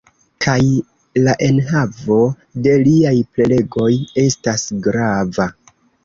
Kaj la enhavo de niaj prelegoj estas grava